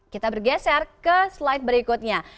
kita bergeser ke slide berikutnya